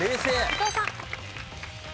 伊藤さん。